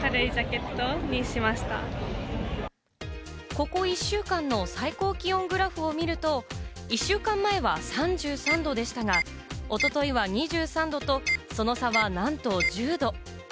ここ１週間の最高気温グラフを見ると、１週間前は３３度でしたが、おとといは２３度とその差はなんと１０度。